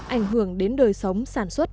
ảnh hưởng đến đời sống sản xuất